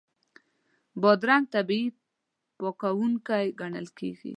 بادرنګ طبیعي پاکوونکی ګڼل کېږي.